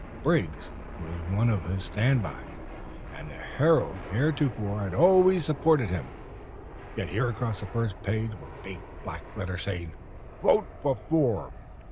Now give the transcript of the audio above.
Briggs was one of his stand bys, and the Herald heretofore had always supported him; yet here across the first page were big black letters saying: _"Vote for Forbes!"